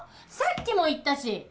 さっきも言ったし！